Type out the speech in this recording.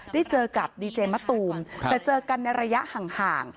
ได้เจอกับดีเจมะตูมแต่เจอกันในระยะห่าง